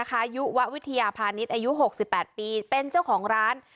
คายุวะวิทยาพาณิชย์อายุหกสิบแปดปีเป็นเจ้าของร้าน